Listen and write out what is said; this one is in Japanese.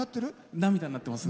涙になってますね。